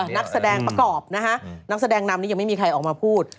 นักแสดงประกอบนะฮะนักแสดงนำนี้ยังไม่มีใครออกมาพูด